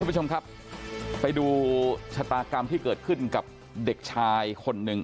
คุณผู้ชมครับไปดูชะตากรรมที่เกิดขึ้นกับเด็กชายคนหนึ่ง